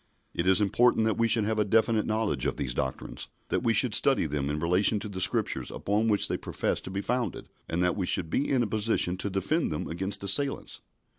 It is important that we should have a definite knowledge of these doctrines; that we should study them in relation to the Scriptures upon which they profess to be founded, and that we should be in a position to defend them against assailants.